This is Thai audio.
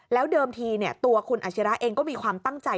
แล้วเดิมทีตัวคุณอาชิระเองก็มีความตั้งใจ